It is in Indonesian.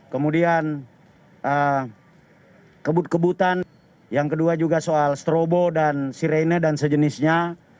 kemudian kebut kebutan yang kedua juga soal strobo dan sirene dan sejenisnya